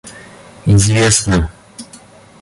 известно